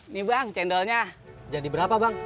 nih bang tendelnya jadi berapa bang rp dua puluh lima